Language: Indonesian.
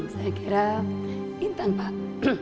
saya kira intan pak